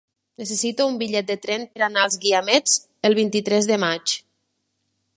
Necessito un bitllet de tren per anar als Guiamets el vint-i-tres de maig.